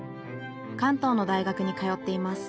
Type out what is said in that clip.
関東の大学に通っています。